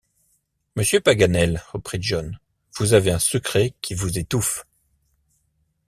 Monsieur Paganel, reprit John, vous avez un secret qui vous étouffe!